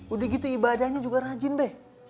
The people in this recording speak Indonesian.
udah gitu ibadahnya juga rajin deh